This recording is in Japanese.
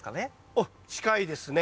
おっ近いですね。